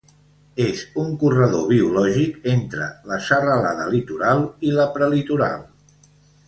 És un corredor biològic entre la Serralada Litoral i la Prelitoral.